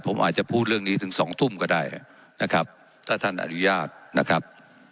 ผมอาจจะพูดเรื่องนี้ถึงสองทุ่มก็ได้นะครับถ้าท่านอนุญาตนะครับ